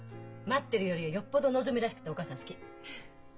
待ってるよりはよっぽどのぞみらしくてお母さん好き。